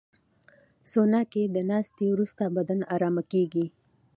سونا کې د ناستې وروسته بدن ارامه کېږي.